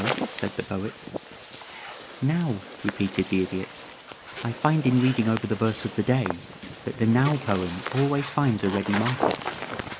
_" said the Poet. "Now!" repeated the Idiot. "I find in reading over the verse of the day that the 'Now' poem always finds a ready market.